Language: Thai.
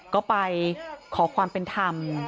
ก็ไปขอความเป็นธรรม